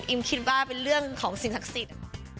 คิดว่าเป็นเรื่องของสิ่งศักดิ์สิทธิ์